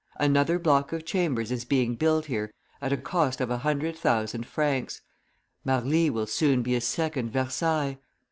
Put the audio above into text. Another block of chambers is being built here at a cost of a hundred thousand francs; Marly will soon be a second Versailles.